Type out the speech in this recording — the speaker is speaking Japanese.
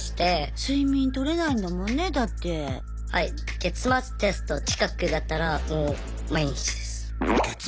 月末テスト近くだったらもう毎日です。